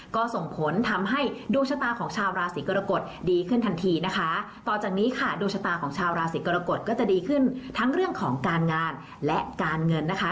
ก็ส่งผลทำให้ดวงชะตาของชาวราศีกรกฎดีขึ้นทันทีนะคะต่อจากนี้ค่ะดวงชะตาของชาวราศีกรกฎก็จะดีขึ้นทั้งเรื่องของการงานและการเงินนะคะ